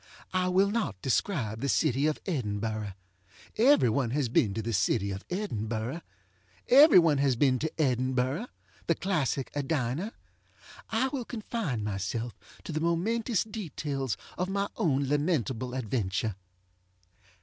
I will not describe the city of Edinburgh. Every one has been to the city of Edinburgh. Every one has been to EdinburghŌĆöthe classic Edina. I will confine myself to the momentous details of my own lamentable adventure.